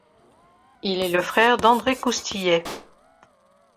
Il est le frère d'André Coustillet.